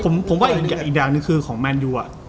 มึงเป็นไร